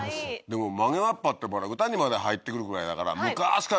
でも曲げわっぱって歌にまで入ってくるぐらいだから。